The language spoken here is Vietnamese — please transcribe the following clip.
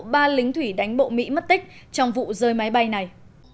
ba lính thủy đánh bộ mỹ mất tích trong vụ rơi máy bay này